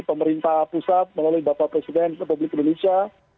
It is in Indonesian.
pemerintah pusat melalui bapak presiden republik indonesia